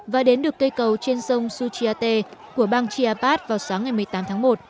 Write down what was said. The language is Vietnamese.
và đến được cây cầu trên sông suchiate của bang chiapas vào sáng ngày một mươi tám tháng một